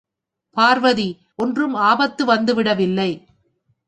பார்வதி, ஒன்றும் ஆபத்து வந்துவிடவில்லை.